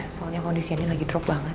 soalnya kondisi andi lagi drop banget